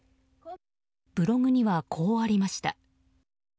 ブログにはこうありました。